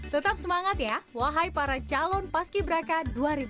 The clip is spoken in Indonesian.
tetap semangat ya wahai para calon paski berakah dua ribu sembilan belas